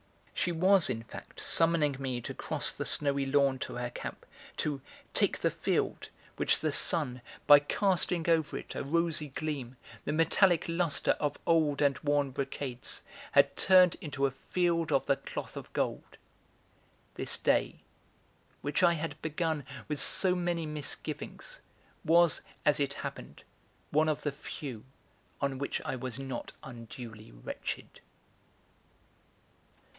She was in fact summoning me to cross the snowy lawn to her camp, to 'take the field,' which the sun, by casting over it a rosy gleam, the metallic lustre of old and worn brocades, had turned into a Field of the Cloth of Gold. This day, which I had begun with so many misgivings, was, as it happened, one of the few on which I was not unduly wretched.